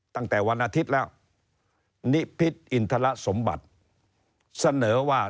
ตั้งแต่วันอาทิตย์แล้วนิพิษอินทรสมบัติเสนอว่า